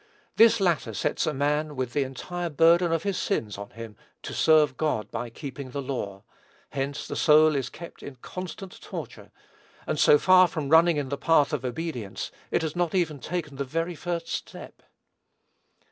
This latter sets a man with the entire burden of his sins on him to serve God by keeping the law; hence the soul is kept in constant torture, and so far from running in the path of obedience, it has not even taken the very first step.